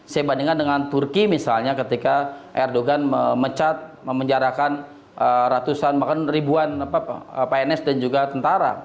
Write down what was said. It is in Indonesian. saya bandingkan dengan turki misalnya ketika erdogan memecat memenjarakan ratusan bahkan ribuan pns dan juga tentara